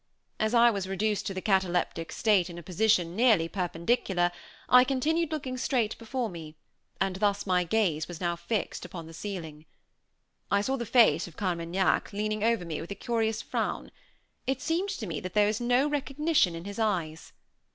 As I was reduced to the cataleptic state in a position nearly perpendicular, I continued looking straight before me, and thus my gaze was now fixed upon the ceiling. I saw the face of Carmaignac leaning over me with a curious frown. It seemed to me that there was no recognition in his eyes.